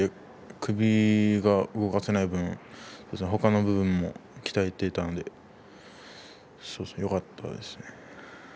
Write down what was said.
首が動かせない分ほかの部分は鍛えていたんでよかったと思います。